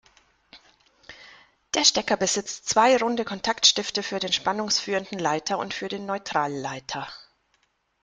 Der Stecker besitzt zwei runde Kontaktstifte für den spannungsführenden Leiter und für den Neutralleiter.